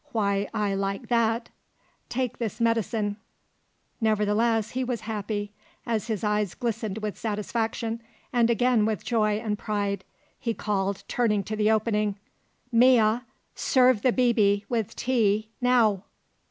Why, I like that! Take this medicine!" Nevertheless he was happy; as his eyes glistened with satisfaction and again with joy and pride, he called, turning to the opening: "Mea, serve the 'bibi' with tea, now!"